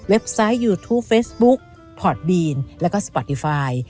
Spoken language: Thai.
เว็บไซต์ยูทูปเฟสบุ๊คพอร์ตบีนแล้วก็สปอร์ติฟาย